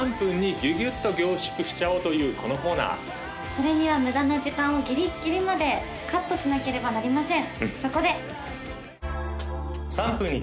それには無駄な時間をギリッギリまでカットしなければなりません